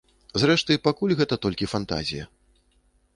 Зрэшты, пакуль гэта толькі фантазія.